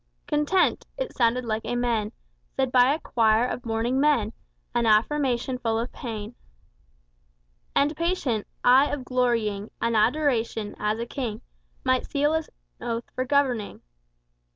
"Content! It sounded like Amen Said by a choir of mourning men; An affirmation full of pain "And patience, ay, of glorying. And adoration, as a king Might seal an oath for governing."